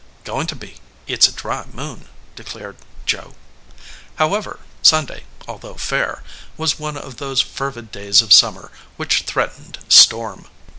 "Coin* to be. It s a dry moon," declared Joe. However, Sunday, although fair, was one of those fervid days of summer which threatened storm.